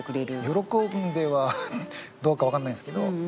喜んではどうかわかんないですけど。